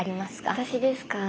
私ですか？